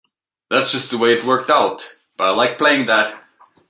That's just the way it worked out - but I like playing that.